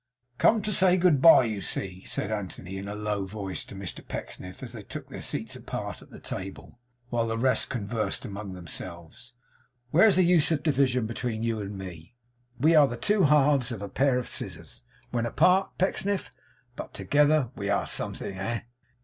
'Come to say good bye, you see,' said Anthony, in a low voice, to Mr Pecksniff, as they took their seats apart at the table, while the rest conversed among themselves. 'Where's the use of a division between you and me? We are the two halves of a pair of scissors, when apart, Pecksniff; but together we are something. Eh?